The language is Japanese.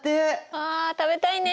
あ食べたいね。